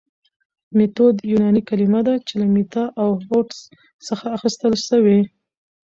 ميتود يوناني کلمه ده چي له ميتا او هودس څخه اخستل سوي